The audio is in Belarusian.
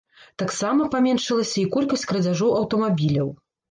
Таксама паменшылася і колькасць крадзяжоў аўтамабіляў.